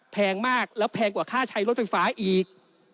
แพงมากแล้วแพงกว่าค่าใช้รถไฟฟ้าอีก